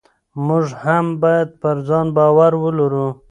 موږ هم باید پر ځان باور ولرو.